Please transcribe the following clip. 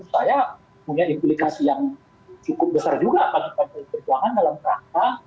saya punya implikasi yang cukup besar juga pada kantor perjuangan dalam perangkat